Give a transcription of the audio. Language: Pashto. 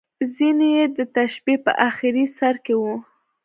ځینې یې د تشبیه په اخري سر کې وو.